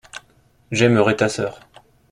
J’aimerai ta sœur.